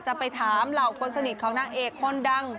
จะไปถามเหล่าคนสนิทของนางเอกคนดัง